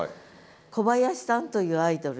小林さんというアイドルですよ。